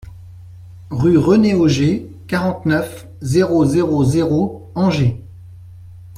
RUE RENE OGER, quarante-neuf, zéro zéro zéro Angers